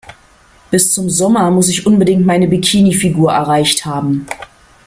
Bis zum Sommer muss ich unbedingt meine Bikini-Figur erreicht haben.